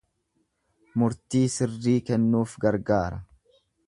murtii sirrii kennuuf gargaara.